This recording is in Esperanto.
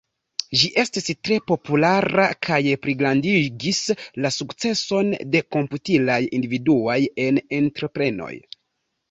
Ĝi estis tre populara kaj pligrandigis la sukceson de komputilaj individuaj en entreprenoj.